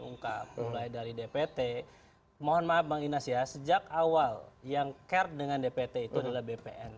ungkap mulai dari dpt mohon maaf bang inas ya sejak awal yang care dengan dpt itu adalah bpn